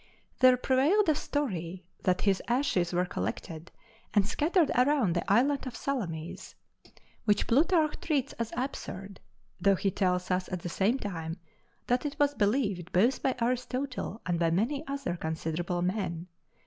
There prevailed a story that his ashes were collected and scattered around the island of Salamis, which Plutarch treats as absurd though he tells us at the same time that it was believed both by Aristotle and by many other considerable men.